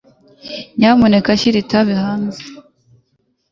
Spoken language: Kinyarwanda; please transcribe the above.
Nyamuneka shyira itabi hanze.